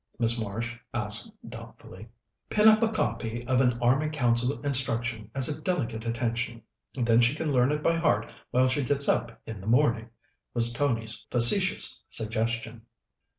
Miss Marsh asked doubtfully. "Pin up a copy of an Army Council Instruction as a delicate attention. Then she can learn it by heart while she gets up in the morning," was Tony's facetious suggestion.